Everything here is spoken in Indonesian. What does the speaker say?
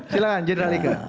silahkan general ik